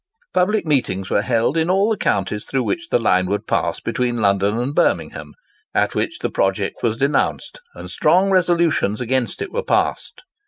Public meetings were held in all the counties through which the line would pass between London and Birmingham, at which the project was denounced, and strong resolutions against it were passed.